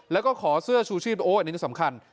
แล้วก็ขอเสื้อชูชีพโอ้อันนี้สำคัญ